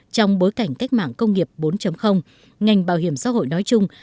trong bối cảnh cách mạng công nghiệp bốn ngành bảo hiểm xã hội nói chung